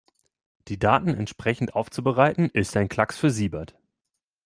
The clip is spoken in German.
Die Daten entsprechend aufzubereiten, ist ein Klacks für Siebert.